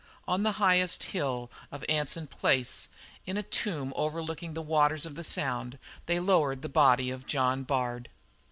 On the highest hill of Anson Place in a tomb overlooking the waters of the sound, they lowered the body of John Bard.